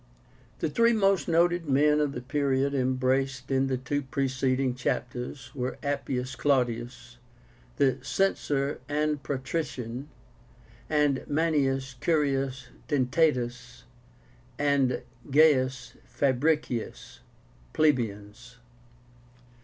The three most noted men of the period embraced in the two preceding chapters were Appius Claudius, the Censor and patrician; and Manius Curius Dentátus and Gaius Fabricius, plebeians.